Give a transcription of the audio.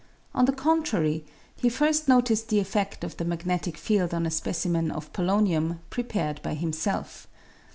On the contrary, he first noticed the effed of the magnetic field on a specimen of polonium prepared by himself.